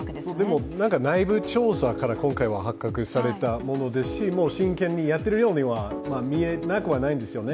でも、内部調査から今回は発覚したものですし真剣にやってるようには見えなくはないんですよね。